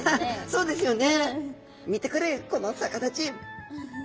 そうですよね。